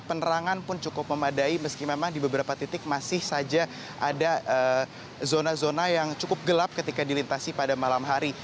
penerangan pun cukup memadai meski memang di beberapa titik masih saja ada zona zona yang cukup gelap ketika dilintasi pada malam hari